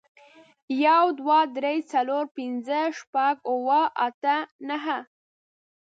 يو، دوه، درې، څلور، پينځه، شپږ، اووه، اته، نهه